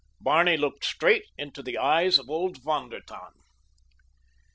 Barney looked straight into the eyes of old Von der Tann.